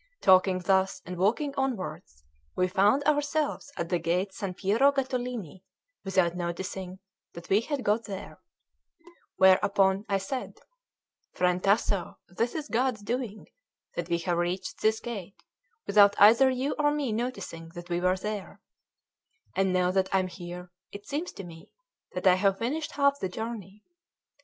Talking thus and walking onwards, we found ourselves at the gate San Piero Gattolini without noticing that we had got there; whereupon I said: "Friend Tasso, this is God's doing that we have reached this gate without either you or me noticing that we were there; and now that I am here, it seems to me that I have finished half the journey."